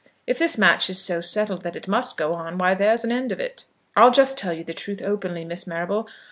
If this match is so settled that it must go on, why there's an end of it. I'll just tell you the truth openly, Miss Marrable.